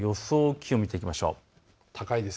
気温を見ていきましょう。